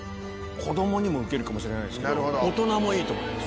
子どもにも受けるかもしれないですけど、大人もいいと思います。